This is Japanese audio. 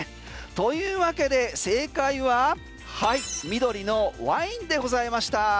というわけで正解は緑のワインでございました。